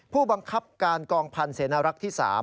ผู้บังคับการกองพันธ์เสนารักษ์ที่๓